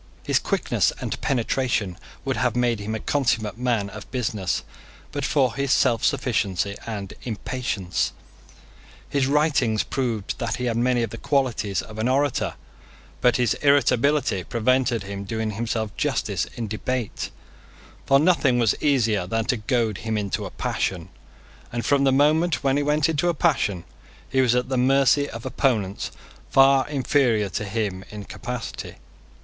His quickness and penetration would have made him a consummate man of business but for his selfsufficiency and impatience. His writings proved that he had many of the qualities of an orator: but his irritability prevented him from doing himself justice in debate; for nothing was easier than to goad him into a passion; and, from the moment when he went into a passion, he was at the mercy of opponents far inferior to him in capacity.